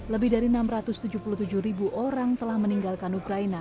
lebih dari enam ratus tujuh puluh tujuh ribu orang telah meninggalkan ukraina